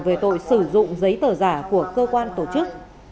về tội sử dụng giấy tờ giả của cơ quan tổ chức